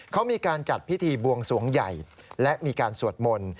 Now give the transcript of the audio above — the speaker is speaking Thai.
เขามีการจัดพิธีบวงสวงใหญ่และมีการสวดมนต์